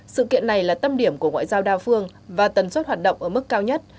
sự kiện này là tâm điểm của ngoại giao đa phương và tần suất hoạt động ở mức cao nhất